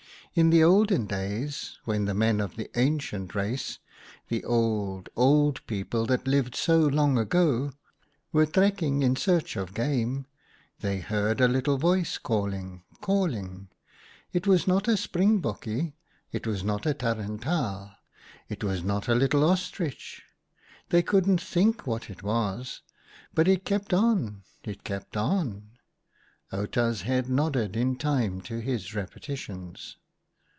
" In the olden days when the men of the Ancient Race — the old, old people that lived so long ago — were trekking in search of game, they heard a little voice calling, calling. It was not a springbokkie, it was not a tarentaal, it was not a little ostrich. They couldn't think what it was. But it kept on, it kept on." Outa's head nodded in time to his repeti tions.